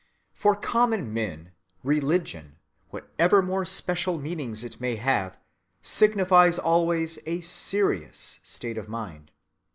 For common men "religion," whatever more special meanings it may have, signifies always a serious state of mind.